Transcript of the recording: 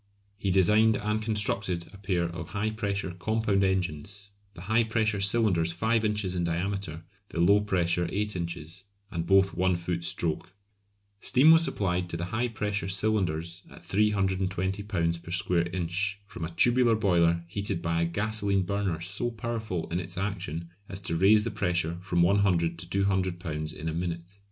He designed and constructed a pair of high pressure compound engines, the high pressure cylinders 5 inches in diameter, the low pressure 8 inches, and both 1 foot stroke. Steam was supplied to the high pressure cylinders at 320 lbs. per square inch from a tubular boiler heated by a gasolene burner so powerful in its action as to raise the pressure from 100 to 200 lbs. in a minute.